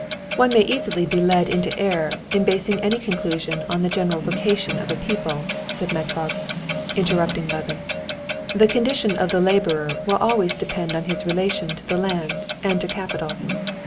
"One may easily be led into error in basing any conclusion on the general vocation of a people," said Metrov, interrupting Levin. "The condition of the laborer will always depend on his relation to the land and to capital."